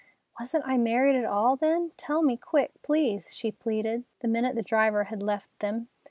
"Wasn't I married at all, then? Tell me quick, please," she pleaded, the minute the driver had left them.